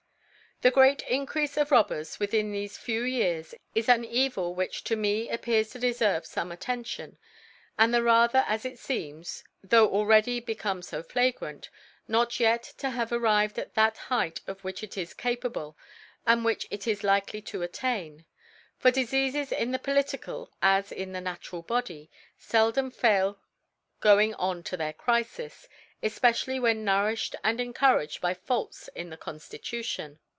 TH E great Increafc of Robberies wiihih tliefe few Years, is an Evil which to me appears tod e ferve feme Attention , and the rather as it feems (tho* already become fo fla grant) not yet to have arrived to that Height of which it is capable, and which it is likely to attain : For Difeafes in the Political, as in the Natural Body^ fcldom fail going on to cbcir Crifis, efpecially when nouriflied and B cncou (20 encouraged by Faults in the Conftitution.